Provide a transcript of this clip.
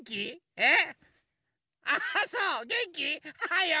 えっ？